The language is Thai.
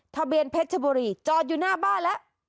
ทะเบียนเพชรชบุรีจอดอยู่หน้าบ้านแล้ว